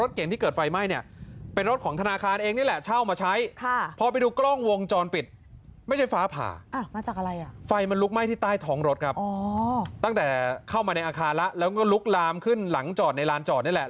แต่เข้ามาในอาคารแล้วแล้วก็ลุกลามขึ้นหลังจอดในลานจอดนี่แหละ